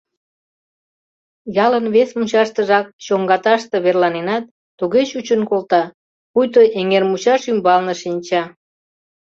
Ялын вес мучаштыжак, чоҥгаташте, верланенат, туге чучын колта, пуйто Эҥермучаш ӱмбалне шинча.